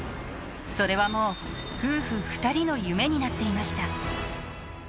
それはもう夫婦２人の夢になっていました。